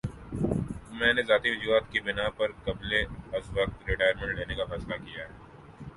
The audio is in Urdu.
میں نے ذاتی وجوہات کی بِنا پر قبلازوقت ریٹائرمنٹ لینے کا فیصلہ کِیا ہے